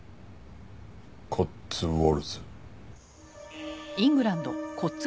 コッツウォルズ。